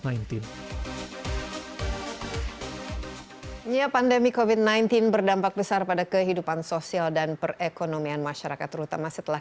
pandemi kofit sembilan belas berdampak besar pada kehidupan sosial dan perekonomian masyarakat terutama setelah